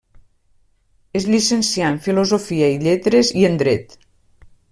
Es llicencià en filosofia i lletres i en dret.